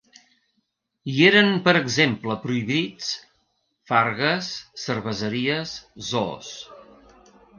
Hi eren per exemple prohibits: fargues, cerveseries, zoos.